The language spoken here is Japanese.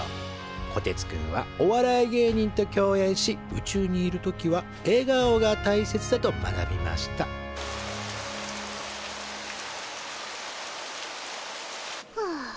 こてつくんはお笑い芸人と共演し宇宙にいる時はえがおがたいせつだと学びましたはあ。